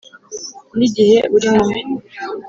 n'igihe uri mubi,